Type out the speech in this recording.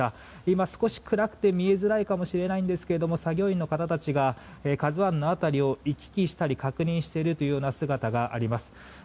今少し暗くて見えづらいかもしれないんですけれども作業員の方たちが「ＫＡＺＵ１」の辺りを行き来したり、確認している姿があります。